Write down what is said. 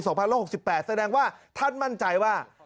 แสดงว่าท่านมั่นใจว่า